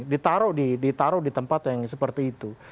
ditaruh di tempat yang seperti itu